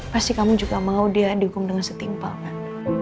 pasti kamu juga mau dia dihukum dengan setimpal kan